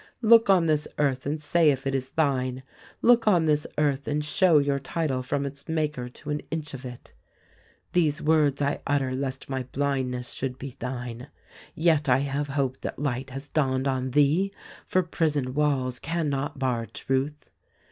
"Look on this earth and say if it is thine! "Look on this earth and show your title from its maker to an inch of it ! "These words I utter lest my blindness should be thine; yet I have hope that light has dawned on thee, — for prison walls can not bar Truth.